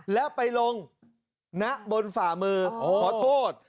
แล้วไปลงณบนฝ่ามือขอโทษ